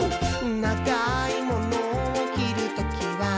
「ながいモノをきるときは、」